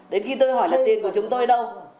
đến khi tôi hỏi là tiền của chúng tôi đâu